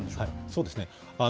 そうですね。